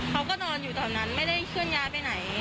เขาก็นอนอยู่แถวนั้นไม่ได้เคลื่อนย้ายไปไหน